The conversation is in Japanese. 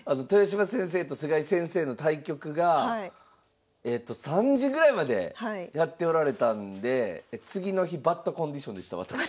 豊島先生と菅井先生の対局が３時ぐらいまでやっておられたんで次の日バッドコンディションでした私。